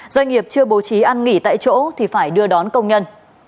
doanh nghiệp chưa bố trí ăn nghỉ tại chỗ thì phải đưa đón công nhân